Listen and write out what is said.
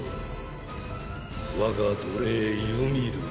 我が奴隷ユミルよ。